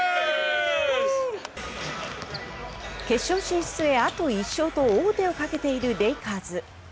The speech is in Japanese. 決勝進出へあと１勝と王手をかけているレイカーズ。